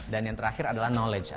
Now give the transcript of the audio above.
dan yang terakhir adalah knowledge